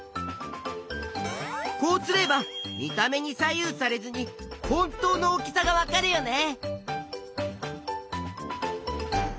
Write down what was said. こうすれば見た目に左右されずに本当の大きさがわかるよね。